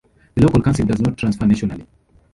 The Local Council does not transfer nationally.